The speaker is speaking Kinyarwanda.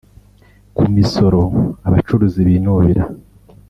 Ku misoro abacuruzi binubira